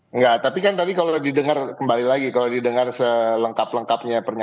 enggak tapi kan tadi kalau didengar kembali lagi kalau didengar selengkap lengkapnya